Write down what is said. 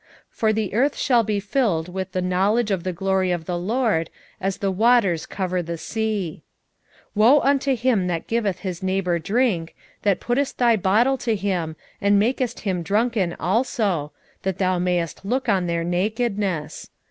2:14 For the earth shall be filled with the knowledge of the glory of the LORD, as the waters cover the sea. 2:15 Woe unto him that giveth his neighbour drink, that puttest thy bottle to him, and makest him drunken also, that thou mayest look on their nakedness!